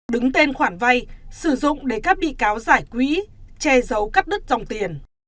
đứng tên khoản vay sử dụng để các bị cáo giải quỹ che giấu cắt đứt dòng tiền